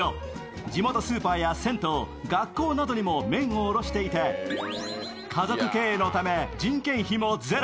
地元スーパーや銭湯、学校などにも麺を卸していて家族経営のため人件費もゼロ。